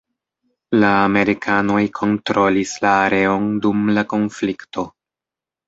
La amerikanoj kontrolis la areon dum la konflikto.